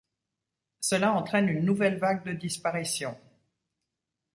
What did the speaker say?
Cela entraîne une nouvelle vague de disparition.